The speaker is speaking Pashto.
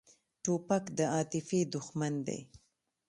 توپک د عاطفې دښمن دی.